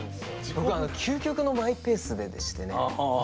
僕究極のマイペースででしてね。